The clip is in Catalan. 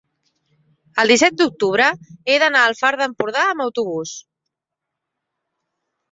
el disset d'octubre he d'anar al Far d'Empordà amb autobús.